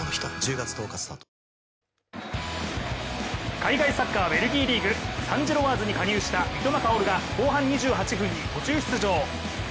海外サッカー、ベルギーリーグサン＝ジロワーズに加入した三笘薫が後半２８分に途中出場。